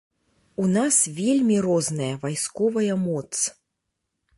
У нас вельмі розная вайсковая моц.